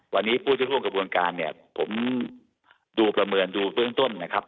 วันนี้ผู้ที่ร่วมกระบวนการเนี่ยผมดูประเมินดูเบื้องต้นนะครับ